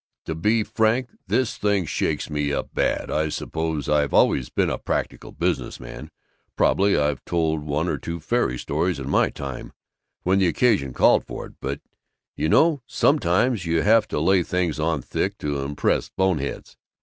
To be frank, this thing shakes me up bad. I suppose I've always been a Practical Business Man. Probably I've told one or two fairy stories in my time, when the occasion called for it you know: sometimes you have to lay things on thick, to impress boneheads.